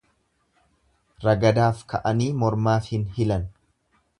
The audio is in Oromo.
Ragadaaf ka'anii mormaaf hin hilan.